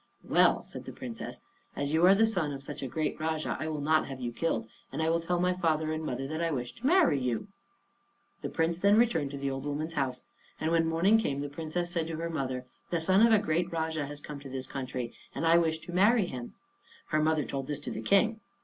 "Well," said the Princess, "as you are the son of such a great Rajah, I will not have you killed, and I will tell my father and mother that I wish to marry you." The Prince then returned to the old woman's house; and when morning came the Princess said to her mother, "The son of a great Rajah has come to this country, and I wish to marry him." Her mother told this to the King.